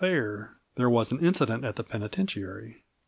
Thayer, there was an incident at the penitentiary.